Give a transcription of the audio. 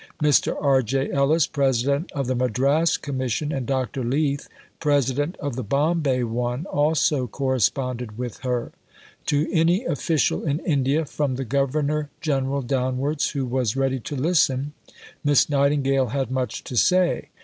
Mr. R. J. Ellis, President of the Madras Commission, and Dr. Leith, President of the Bombay one, also corresponded with her. To any official in India, from the Governor General downwards, who was ready to listen, Miss Nightingale had much to say.